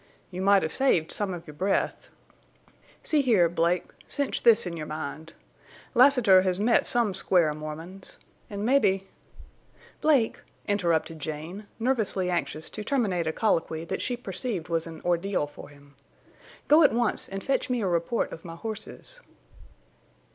"You might have saved some of your breath. See here, Blake, cinch this in your mind. Lassiter has met some square Mormons! An' mebbe—" "Blake," interrupted Jane, nervously anxious to terminate a colloquy that she perceived was an ordeal for him. "Go at once and fetch me a report of my horses."